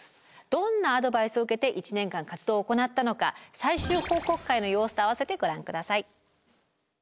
どんなアドバイスを受けて１年間活動を行ったのか最終報告会の様子と合わせてご覧下さい。